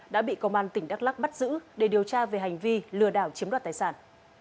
đã bị công an tỉnh đắk lắc bắt giữ để điều tra về hành vi lừa đảo chiếm đoạt tài sản